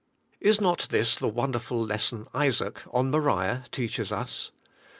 Is not this the wonderful lesson Isaac on Moriah teaches us?